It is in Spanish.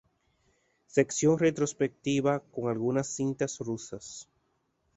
Sección retrospectiva con algunas cintas rusas.